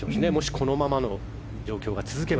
このままの状況が続けば。